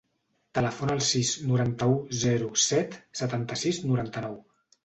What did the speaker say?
Telefona al sis, noranta-u, zero, set, setanta-sis, noranta-nou.